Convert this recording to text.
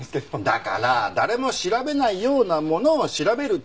だから誰も調べないようなものを調べる。